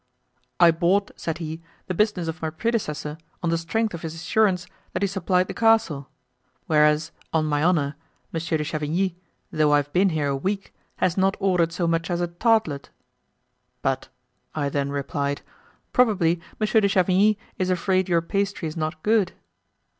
'I bought,' said he, 'the business of my predecessor on the strength of his assurance that he supplied the castle; whereas, on my honor, Monsieur de Chavigny, though I've been here a week, has not ordered so much as a tartlet.' 'But,' I then replied, 'probably Monsieur de Chavigny is afraid your pastry is not good.